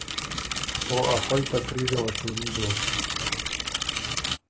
او ا خوئ تقریره وه شُوري دوک۔